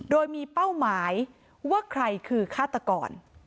โดยมีเป้าหมายว่าใครคือฆาตกร